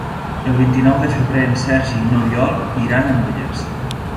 El vint-i-nou de febrer en Sergi i n'Oriol iran a Nulles.